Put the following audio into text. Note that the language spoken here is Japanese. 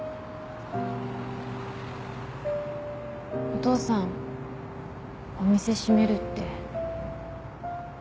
・お父さんお店閉めるって。